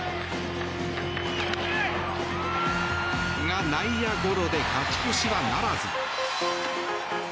が、内野ゴロで勝ち越しはならず。